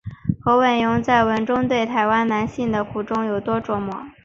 侯文咏在文中对于台湾男性的苦衷有多琢磨。